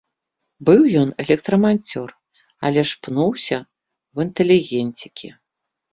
Быў ён электраманцёр, але ж пнуўся ў інтэлігенцікі.